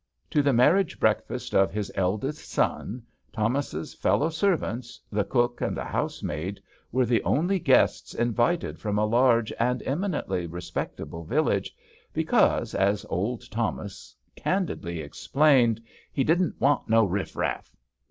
To the marriage breakfast of his eldest son, Thomas' fellow servants, the cook and the housemaid, were the only * guests invited from a large and eminently respectable village, because, as old Thomas K 65 HAMPSHIRE VIGNETTES candidly explained, he " didn't want no rifF rafF."